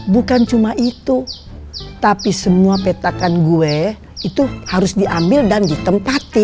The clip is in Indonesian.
bukan cuma itu tapi semua petakan gue itu harus diambil dan ditempati